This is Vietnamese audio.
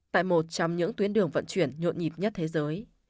tại một trong những tuyến đường vận chuyển nhộn nhịp nhất thế giới